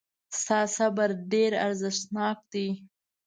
ستا صبر ډېر ارزښتناک دی.